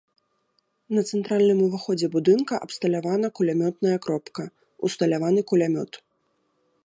На цэнтральным ўваходзе будынка абсталявана кулямётная кропка, усталяваны кулямёт.